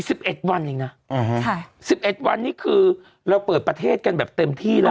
อีก๑๑วันเองนะ๑๑วันนี้คือเราเปิดประเทศกันแบบเต็มที่แล้ว